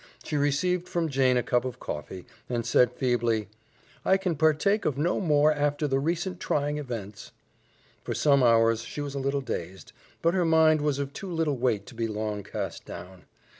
She received from Jane a cup of coffee, and said feebly, "I can partake of no more after the recent trying events." For some hours she was a little dazed, but her mind was of too light weight to be long cast down.